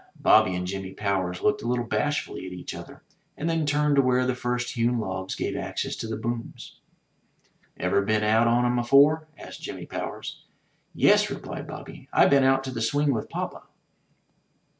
Bobby and Jimmy Powers looked a little bashfully at each other, and then turned to where the first hewn logs gave access to the booms. *'Ever been out on 'em afore?'' asked Jimmy Powers. '*Yes," replied Bobby; "I been out to the swing with Papa."